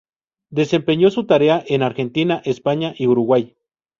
Desempeñó su tarea en Argentina, España y Uruguay.